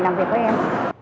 làm việc với em